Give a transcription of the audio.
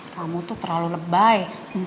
kamu tuh terlalu lebay